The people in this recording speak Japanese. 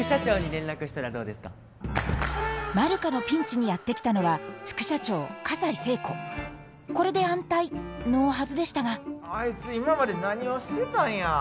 マルカのピンチにやって来たのはこれで安泰のはずでしたがあいつ今まで何をしてたんや。